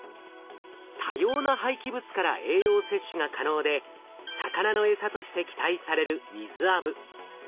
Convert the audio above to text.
多様な廃棄物から栄養摂取が可能で魚のエサとして期待されるミズアブ。